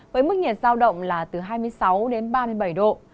với mức nhiệt giao động là từ hai mươi sáu đến ba mươi bảy độ